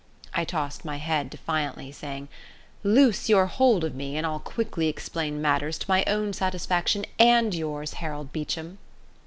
I tossed my head defiantly, saying, "Loose your hold of me, and I'll quickly explain matters to my own satisfaction and yours, Harold Beecham."